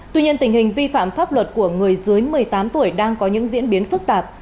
tuy nhiên tình hình vi phạm pháp luật của người dưới một mươi tám tuổi đang có những diễn biến phức tạp